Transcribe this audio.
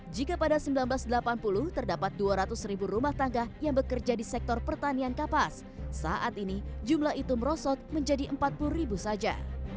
jika pada seribu sembilan ratus delapan puluh terdapat dua ratus ribu rumah tangga yang bekerja di sektor pertanian kapas saat ini jumlah itu merosot menjadi empat puluh ribu saja